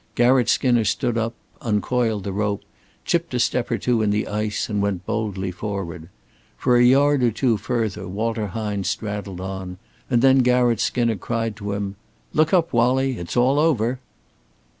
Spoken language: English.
Garratt Skinner stood up, uncoiled the rope, chipped a step or two in the ice and went boldly forward. For a yard or two further Walter Hine straddled on, and then Garratt Skinner cried to him: "Look up, Wallie. It's all over."